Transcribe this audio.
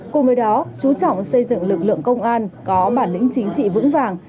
cùng với đó chú trọng xây dựng lực lượng công an có bản lĩnh chính trị vững vàng